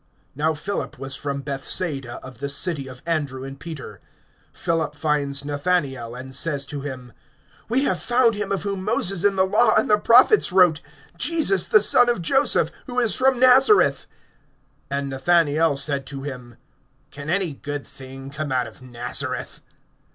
(44)Now Philip was from Bethsaida, of the city of Andrew and Peter. (45)Philip finds Nathanael, and says to him: We have found him of whom Moses, in the law, and the prophets wrote, Jesus the son of Joseph, who is from Nazareth. (46)And Nathanael said to him: Can any good thing come out of Nazareth?